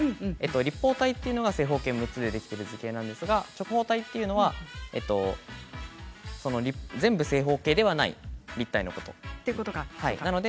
立方体が正方形のものでできている図形ですが直方体というのは全部、正方形ではない立体のことです。